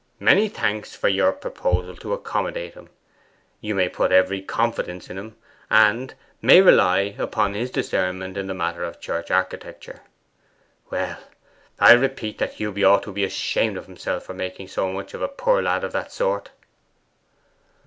MANY THANKS FOR YOUR PROPOSAL TO ACCOMMODATE HIM...YOU MAY PUT EVERY CONFIDENCE IN HIM, and may rely upon his discernment in the matter of church architecture." Well, I repeat that Hewby ought to be ashamed of himself for making so much of a poor lad of that sort.